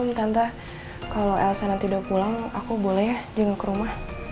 om tante kalo elsa nanti udah pulang aku boleh ya jenguk rumah